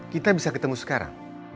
kita bisa ketemu sekarang